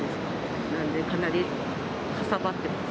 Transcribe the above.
なんで、かなりかさばってます。